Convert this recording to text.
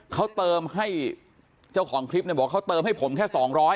เขาเติมให้เจ้าของคลิปเนี่ยบอกเขาเติมให้ผมแค่๒๐๐